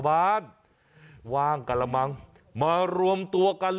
แบบนี้คือแบบนี้คือแบบนี้คือแบบนี้คือ